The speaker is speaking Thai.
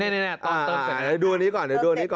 เดี๋ยวดูอันนี้ก่อน